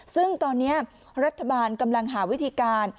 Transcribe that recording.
ซึ่งตอนนี้รัฐบาลกำลังหาวิธีการ